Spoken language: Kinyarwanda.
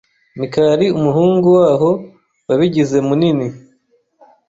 Mikali numuhungu waho wabigize munini.